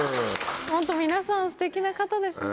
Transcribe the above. ホント皆さんステキな方ですね。